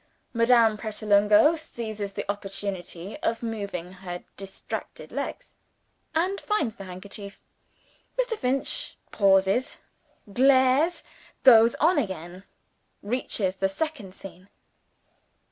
Madame Pratolungo seizes the opportunity of moving her distracted legs, and finds the handkerchief. Mr. Finch pauses glares goes on again reaches the second scene.